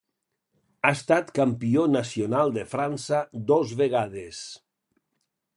Ha estat campió nacional de França dos vegades.